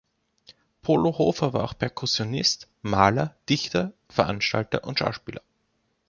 Polo Hofer war auch Perkussionist, Maler, Dichter, Veranstalter und Schauspieler.